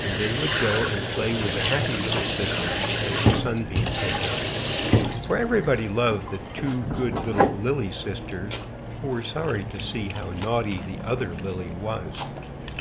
and they would go and play with the happy little sisters as the sunbeams had done; for everybody loved the two good little lily sisters, who were sorry to see how naughty the other lily was.